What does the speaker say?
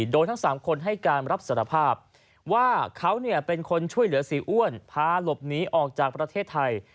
โดยทั้ง๓คนให้การรับสารภาพว่าเขาเป็นคนช่วยเหลือเสียอ้วนพาหลบหนีออกจากประเทศไทย